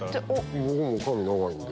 僕も髪長いんで。